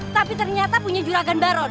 tapi ternyata punya juragan baron